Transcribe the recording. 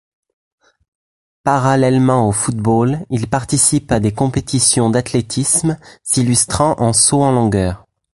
Parallèlement au football, il participe à des compétitions d'athlétisme, s'illustrant en saut en longueur.